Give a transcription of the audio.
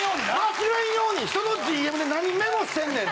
忘れんように人のＤＭで何メモしてんねん！